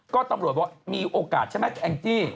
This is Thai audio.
ก็ตำรวจบอกมีโอกาสใช่ไหมแองจี้